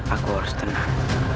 aku harus tenang